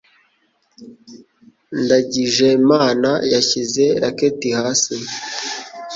Ndangijemana yashyize racket hasi.